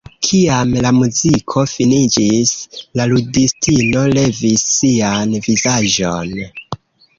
Kiam la muziko finiĝis, la ludistino levis sian vizaĝon.